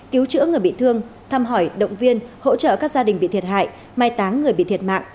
cứu chữa người bị thương thăm hỏi động viên hỗ trợ các gia đình bị thiệt hại mai táng người bị thiệt mạng